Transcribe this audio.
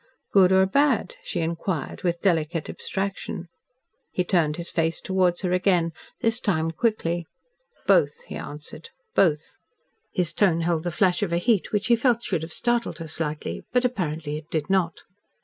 "Good or bad?" she inquired, with delicate abstraction. He turned his face towards her again this time quickly. "Both," he answered. "Both." His tone held the flash of a heat which he felt should have startled her slightly. But apparently it did not.